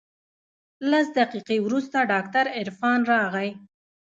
لس دقيقې وروسته ډاکتر عرفان راغى.